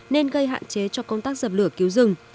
nên gây hạn chế cho công tác dập lửa cứu rừng